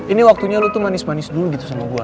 ini waktunya lu tuh manis manis dulu gitu sama gue